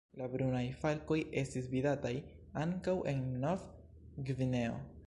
La Brunaj falkoj estis vidataj ankaŭ en Nov-Gvineo.